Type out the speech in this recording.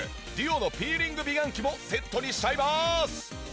ＤＵＯのピーリング美顔器もセットにしちゃいます！